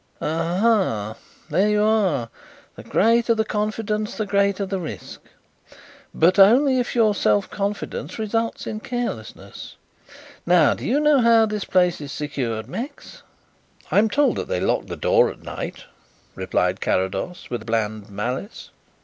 "Ah ha, there you are the greater the confidence the greater the risk. But only if your self confidence results in carelessness. Now do you know how this place is secured, Max?" "I am told that they lock the door at night," replied Carrados, with bland malice.